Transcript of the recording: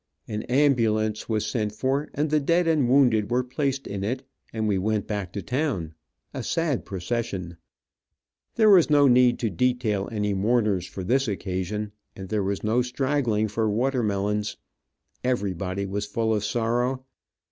An ambulance was sent for and the dead and wounded were placed in it, and we went back to town, a sad procession. There was no need to detail any mourners for this occasion, and there was no straggling for watermelons. Everybody was full of sorrow.